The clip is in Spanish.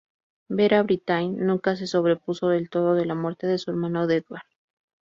Vera Brittain nunca se sobrepuso del todo de la muerte de su hermano Edward.